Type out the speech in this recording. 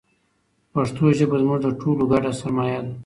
پښتو ژبه زموږ د ټولو ګډه سرمایه ده.